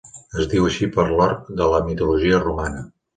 Es diu així per l'Orc de la mitologia romana.